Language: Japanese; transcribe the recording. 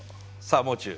さあもう中。